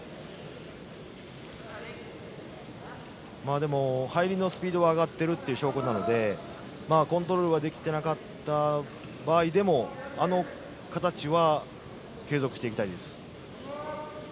でも入りのスピードは上がっているという証拠なのでコントロールができていなかった場合でもあの形は継続していきたいです。